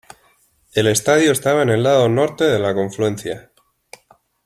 El estadio estaba en el lado norte de la confluencia.